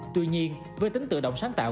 tuy nhiên với tính tự động sáng tạo